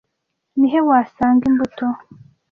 Ni he wasanga imbuto